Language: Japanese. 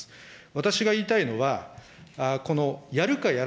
私が言いたいのは、このやるかや